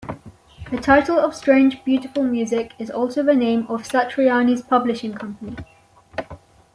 The title of "Strange Beautiful Music" is also the name of Satriani's publishing company.